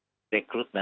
untuk bisa rekrut nanti